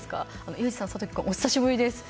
裕士さん、お久しぶりです。